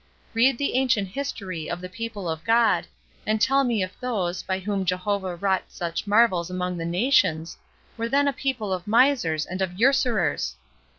Read the ancient history of the people of God, and tell me if those, by whom Jehovah wrought such marvels among the nations, were then a people of misers and of usurers!